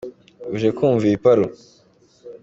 uje kumva ibiparu.